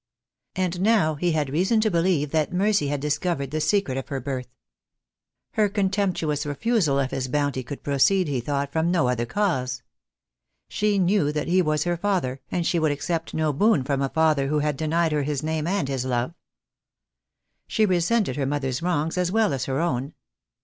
And now he had reason to believe that Mercy had discovered the secret of her birth. Her contemptuous refusal of his bounty could proceed, he thought, from no other cause. She knew that he was her father, and she would accept no boon from a father who had denied her his name and his love. 222 THE DAY WILL COME. She resented her mother's wrongs, as well as her own.